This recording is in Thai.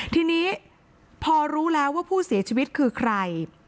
ทีนี้พอรู้แล้วว่าผู้เสียชีวิตคือใคร